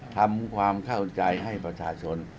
ทำความเข้าใจให้ประชาชน